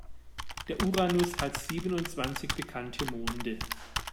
Der Uranus hat siebenundzwanzig bekannte Monde.